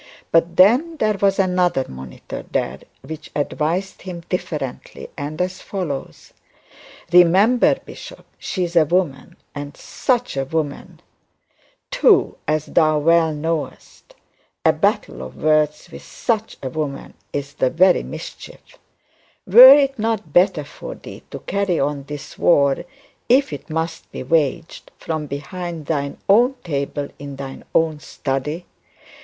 But then there was another monitor there which advised him differently, and as follows. Remember, bishop, she is a woman, and such a woman is the very mischief. Were it not better for thee to carry on this war, if it must be waged, from behind thine own table in thine own study?